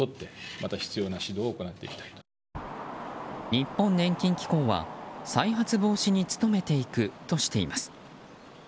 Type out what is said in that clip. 日本年金機構は、再発防止に努めていくとしています。